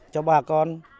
cho bà con